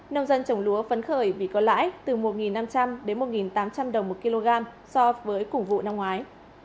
nông dân trồng lúa phấn khởi vì có lãi từ một năm trăm linh đến một tám trăm linh đồng một kg so với cùng vụ năm ngoái